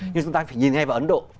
nhưng chúng ta phải nhìn ngay vào ấn độ